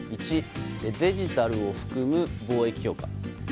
１、デジタルを含む貿易強化。